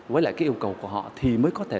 với lại cái yêu cầu của họ thì mới có thể